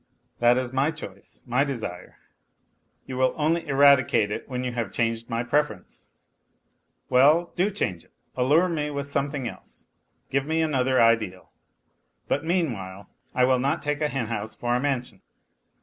That is my choice, my desire. You will only eradicate it when you have changed my preference . Well, do change it, allure me with something else, give me an other ideal. But meanwhile I will not take a hen house for a mansion.